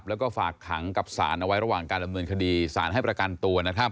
แล้วก็ฝากขังกับสารเอาไว้ระหว่างการอำนวยคดีสารให้ประกันตัว